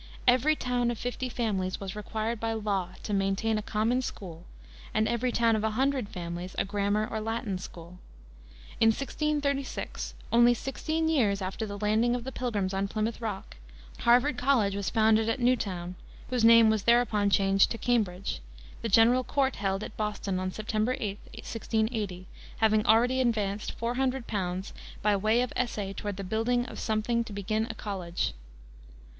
Every town of fifty families was required by law to maintain a common school, and every town of a hundred families a grammar or Latin school. In 1636, only sixteen years after the landing of the Pilgrims on Plymouth Rock, Harvard College was founded at Newtown, whose name was thereupon changed to Cambridge, the General Court held at Boston on September 8, 1680, having already advanced 400 pounds "by way of essay towards the building of something to begin a college."